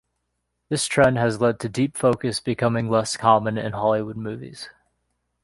This trend has led to deep focus becoming less common in Hollywood movies.